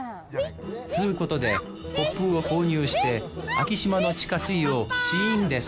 つうことでコップを購入して昭島の地下水を試飲です